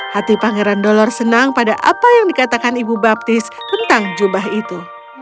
hati pangeran dolor senang pada apa yang dikatakan ibu baptis tentang jubah itu